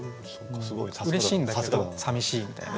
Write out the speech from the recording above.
うれしいんだけどさみしいみたいな。